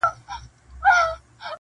چوپتيا کله کله له هر غږ څخه درنه وي ډېر,